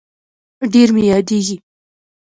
ډير مي ياديږي